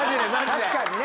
確かにね。